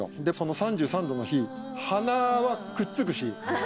でその３３度の日鼻はくっつくし。